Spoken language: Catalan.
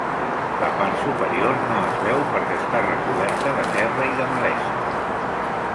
La part superior no es veu perquè està recoberta de terra i de malesa.